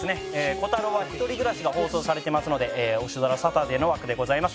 『コタローは１人暮らし』が放送されてますのでオシドラサタデーの枠でございます。